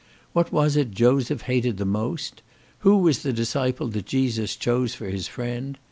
What was it Joseph hated the most? Who was the disciple that Jesus chose for his friend?"